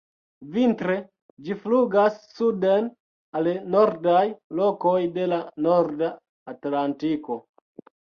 Vintre ĝi flugas suden al nordaj lokoj de la norda Atlantiko.